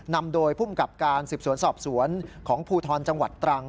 นำโดยภูมิกับการสืบสวนสอบสวนของภูทรจังหวัดตรัง